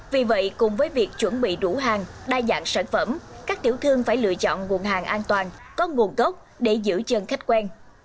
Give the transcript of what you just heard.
vì vậy cùng với việc chuẩn bị đủ hàng đa dạng sản phẩm các tiểu thương phải lựa chọn nguồn hàng an toàn có nguồn gốc để giữ chân khách quen